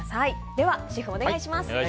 ではシェフ、お願いします。